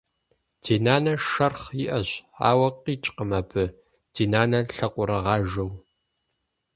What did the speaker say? Ди нанэ шэрхъ иӏэщ, ауэ къикӏкъым абы, ди нанэ лъакъуэрыгъажэу.